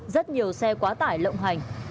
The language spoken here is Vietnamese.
rất nhiều xe quá tải lộng hành